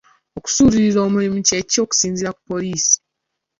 Okusuulirira omulimu kye ki okusinziira ku poliisi?